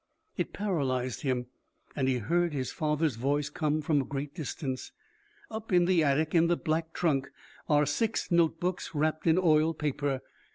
It paralyzed him and he heard his father's voice come from a great distance. "Up in the attic in the black trunk are six notebooks wrapped in oilpaper.